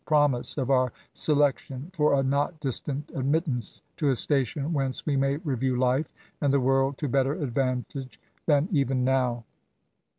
of pro mise of our selection for a not distant admittance to a station whence we may review life and the world to better advantage than even now.